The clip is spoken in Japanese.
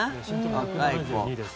若い子。